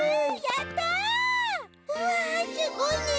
うわすごいね。